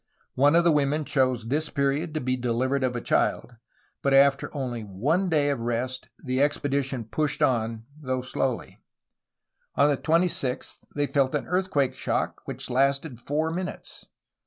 One of the women chose this period to be delivered of a child, but after only one day of rest the expedition pushed on, though slowly. On the 26th they felt an earthquake shock which lasted four minutes.